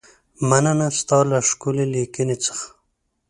مننه ستا له ښکلې لیکنې څخه.